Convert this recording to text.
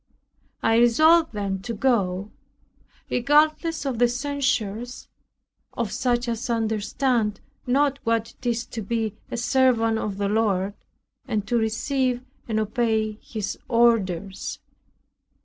I resolved then to go, regardless of the censures of such as understand not what it is to be a servant of the Lord, and to receive and obey His orders.